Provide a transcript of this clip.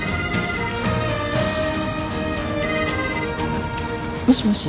あっもしもし。